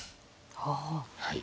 はい。